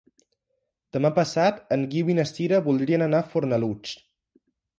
Demà passat en Guiu i na Sira voldrien anar a Fornalutx.